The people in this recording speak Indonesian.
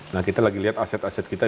nah kita lagi lihat aset aset kita